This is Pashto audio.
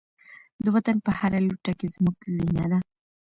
د وطن په هره لوټه کې زموږ وینه ده.